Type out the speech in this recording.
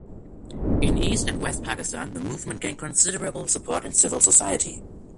In East and West-Pakistan, the movement gained considerable support in civil society.